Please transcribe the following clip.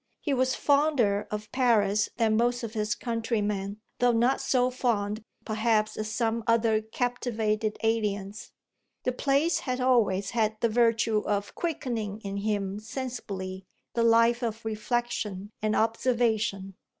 He was fonder of Paris than most of his countrymen, though not so fond perhaps as some other captivated aliens: the place had always had the virtue of quickening in him sensibly the life of reflexion and observation.